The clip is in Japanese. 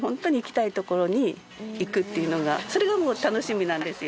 それがもう楽しみなんですよ。